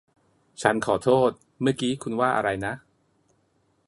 ฉันขอโทษ เมื่อกี้คุณว่าอะไรนะ